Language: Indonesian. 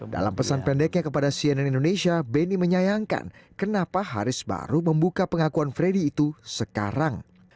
dalam pesan pendeknya kepada cnn indonesia benny menyayangkan kenapa haris baru membuka pengakuan freddy itu sekarang